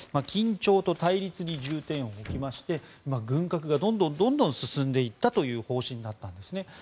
緊張と対立に重点を置きまして軍拡がどんどん進んでいったという方針だったんですね。